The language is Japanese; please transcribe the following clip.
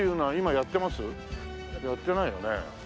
やってないよね。